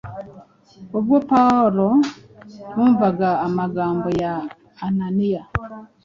Ubwo Pawulo yumvaga amagambo ya Ananiya